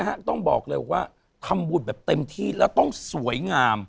ต้องบอกเลยว่าทำบุญแบบเต็มที่แล้วต้องสวยงาม